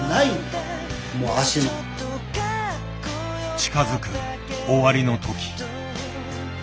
近づく終わりの時。